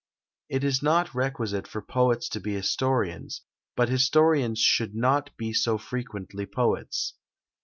It is not requisite for poets to be historians, but historians should not be so frequently poets.